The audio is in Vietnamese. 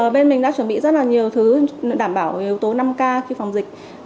bên mình đã chuẩn bị rất là nhiều thứ đảm bảo yếu tố năm k khi phòng dịch